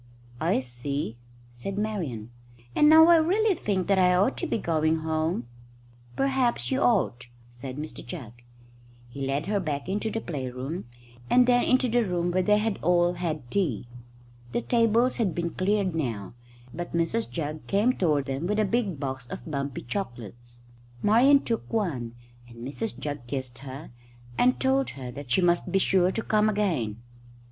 "I see," said Marian; "and now I really think that I ought to be going home." "Perhaps you ought," said Mr Jugg. He led her back into the playroom, and then into the room where they had all had tea. The tables had been cleared now, but Mrs Jugg came toward them with a big box of bumpy chocolates. Marian took one, and Mrs Jugg kissed her and told her that she must be sure to come again.